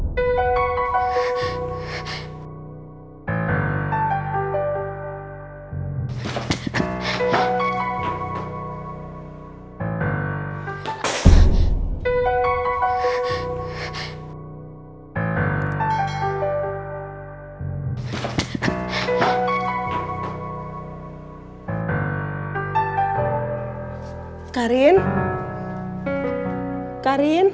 karir benci sama bapak